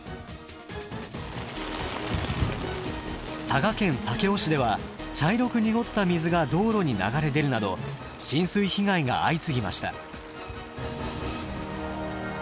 佐賀県武雄市では茶色く濁った水が道路に流れ出るなど浸水被害が相次ぎました。